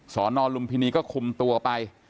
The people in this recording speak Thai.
สอนอลุมพินีก็คุมตัวไป